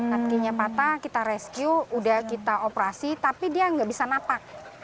kakinya patah kita rescue udah kita operasi tapi dia nggak bisa napak